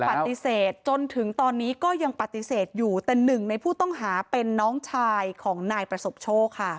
ปฏิเสธจนถึงตอนนี้ก็ยังปฏิเสธอยู่แต่หนึ่งในผู้ต้องหาเป็นน้องชายของนายประสบโชคค่ะ